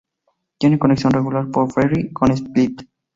Tiene conexión regular por ferry con Split.